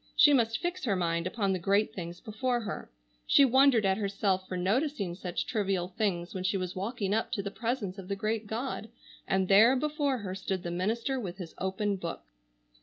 She must fix her mind upon the great things before her. She wondered at herself for noticing such trivial things when she was walking up to the presence of the great God, and there before her stood the minister with his open book!